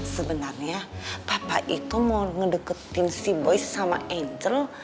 sebenarnya papa itu mau ngedeketin si boy sama angel